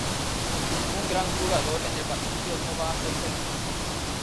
Un gran jugador en el banquillo no va a ser feliz".